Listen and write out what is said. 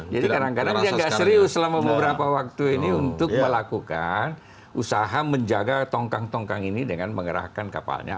jadi kadang kadang dia nggak serius selama beberapa waktu ini untuk melakukan usaha menjaga tongkang tongkang ini dengan mengerahkan kapalnya